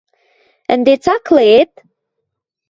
Ӹнде цакле-эт?